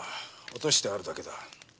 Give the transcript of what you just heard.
落としてあるだけだ。